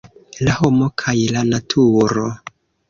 La homo kaj la naturo.